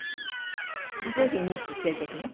一時に２匹連れていくの？